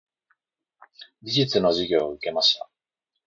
美術の授業を受けました。